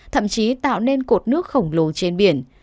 thậm chí tạo nên cột nước khổng lồ trên biển